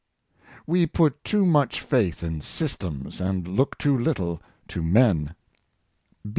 •' We put too much faith in systems, and look too little to men."